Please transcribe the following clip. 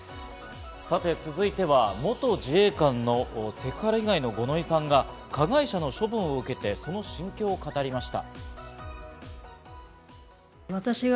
続いては元自衛官のセクハラ被害の五ノ井さんが加害者の処分を受けて、その心境を語りました。